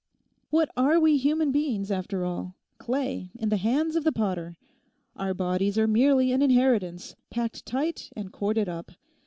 What are we human beings after all? Clay in the hands of the potter. Our bodies are merely an inheritance, packed tight and corded up.